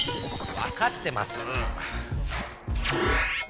わかってますぅ！